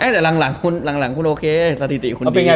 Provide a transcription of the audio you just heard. แต่หลังคุณโอเคสถิติคุณดี